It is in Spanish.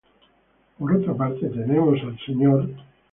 Por otra parte tenemos a "Mr.